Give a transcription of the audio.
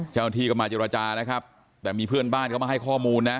เจ้าหน้าที่ก็มาเจรจานะครับแต่มีเพื่อนบ้านเขามาให้ข้อมูลนะ